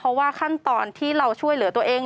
เพราะว่าขั้นตอนที่เราช่วยเหลือตัวเอง